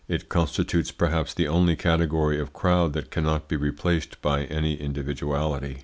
It constitutes, perhaps, the only category of crowd that cannot be replaced by any individuality.